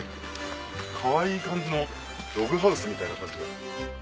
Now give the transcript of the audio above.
かわいい感じのログハウスみたいな感じだ。